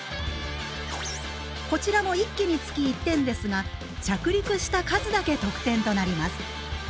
こちらも１機につき１点ですが着陸した数だけ得点となります。